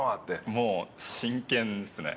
もう真剣ですね。